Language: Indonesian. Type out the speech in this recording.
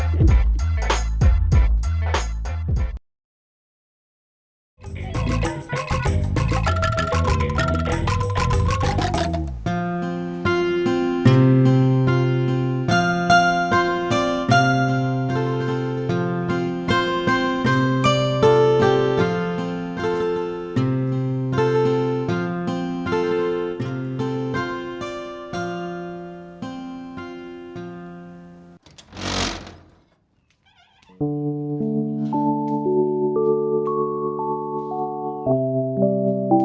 mingguan setelah maju